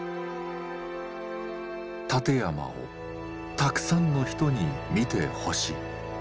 立山をたくさんの人に見てほしい。